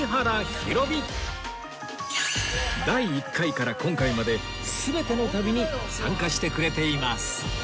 第１回から今回まで全ての旅に参加してくれています